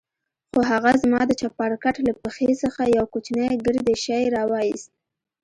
خو هغه زما د چپرکټ له پښې څخه يو کوچنى ګردى شى راوايست.